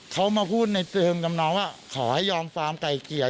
เขามาพูดในเชิงจำนองว่าขอให้ยอมฟาร์มไก่เกลี่ย